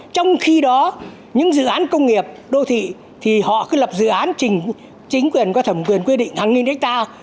trong khi đó những dự án công nghiệp đô thị thì họ cứ lập dự án chính quyền qua thẩm quyền quy định hàng nghìn hectare